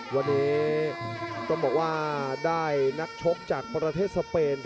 วันนี้ต้องบอกว่าได้นักชกจากประเทศสเปน